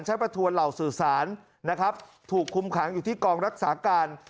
ประทวนเหล่าสื่อสารนะครับถูกคุมขังอยู่ที่กองรักษาการ